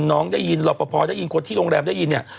น้องได้ยินหลอบภายคนที่โรงแรมได้ยินนี่